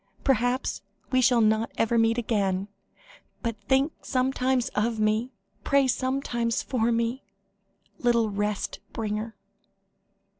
Perhaps, we shall not ever meet again but think sometimes of me pray sometimes for me little rest bringer."